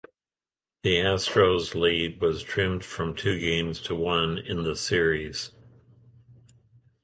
The Astros' lead was trimmed from two games to one in the series.